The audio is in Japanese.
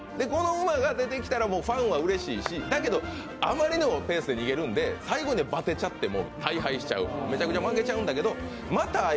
この馬が出てきたらファンはうれしいし、だけど、あまりのペースで逃げるんで最後にはバテちゃって大敗しちゃう、めちゃくちゃ負けちゃうんですけどまた